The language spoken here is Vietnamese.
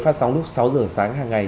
phát sóng lúc sáu giờ sáng hàng ngày